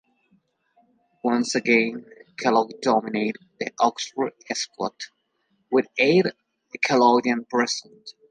Once again Kellogg dominated the Oxford squad, with eight Kelloggians present.